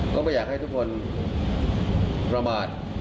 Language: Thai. ก็ไม่อยากให้ทุกคนสมาบัด